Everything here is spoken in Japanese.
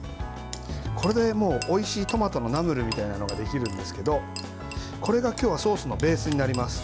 これでおいしいトマトのナムルみたいなのができるんですけどこれが今日はソースのベースになります。